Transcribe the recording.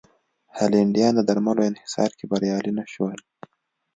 هالنډیان د درملو انحصار کې بریالي نه شول.